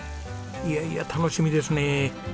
いやいや楽しみですね。